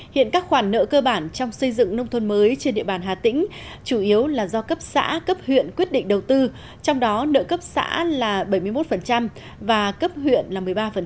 hiện các khoản nợ cơ bản trong xây dựng nông thôn mới trên địa bàn hà tĩnh chủ yếu là do cấp xã cấp huyện quyết định đầu tư trong đó nợ cấp xã là bảy mươi một và cấp huyện là một mươi ba